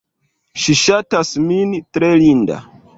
Ŝi ŝatas min. Tre linda.